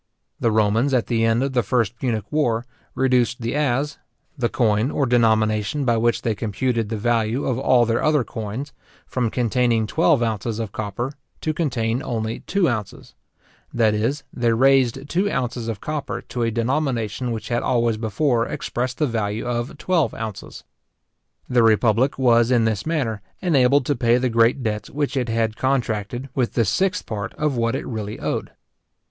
The Romans, at the end of the first Punic war, reduced the As, the coin or denomination by which they computed the value of all their other coins, from containing twelve ounces of copper, to contain only two ounces; that is, they raised two ounces of copper to a denomination which had always before expressed the value of twelve ounces. The republic was, in this manner, enabled to pay the great debts which it had contracted with the sixth part of what it really owed.